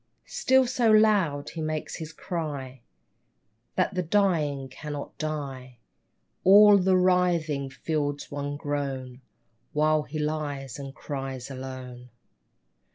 Still so loud he makes his cry That the dying cannot die ; All the writhing field's one groan While he lies and cries alone.